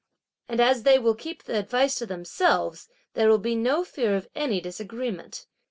And as they will keep advice to themselves, there will be no fear of any disagreement.